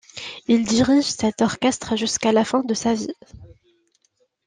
Il dirige cet orchestre jusqu'à la fin de sa vie.